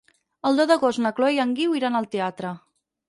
El deu d'agost na Chloé i en Guiu iran al teatre.